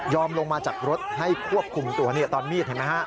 ยอมลงมาจากรถให้ควบคุมตัวตอนมีด